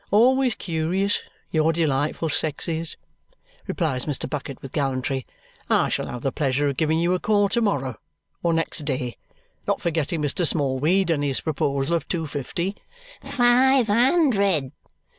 Always curious, your delightful sex is!" replies Mr. Bucket with gallantry. "I shall have the pleasure of giving you a call to morrow or next day not forgetting Mr. Smallweed and his proposal of two fifty." "Five hundred!"